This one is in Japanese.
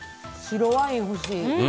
白ワイン欲しい。